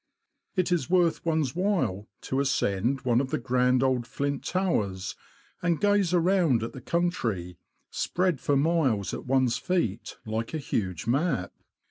It is worth one's while to ascend one of the grand old flint towers, and gaze around at the country, spread for miles at one's feet, like a huge map.